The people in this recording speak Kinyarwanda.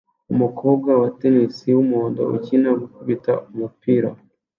Umukobwa wa tennis wumuhondo ukina gukubita umupira